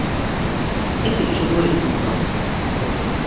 Eti ç̌uburis nungaps.